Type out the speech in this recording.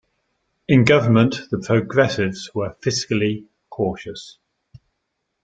In government, the Progressives were fiscally cautious.